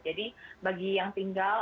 jadi bagi yang tinggal